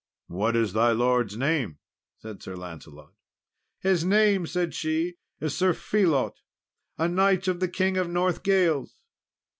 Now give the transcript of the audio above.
"What is thy lord's name?" said Sir Lancelot. "His name," said she, "is Sir Phelot, a knight of the King of Northgales."